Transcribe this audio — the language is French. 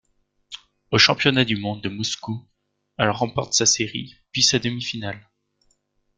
Aux championnats du monde de Moscou, elle remporte sa série, puis sa demi-finale.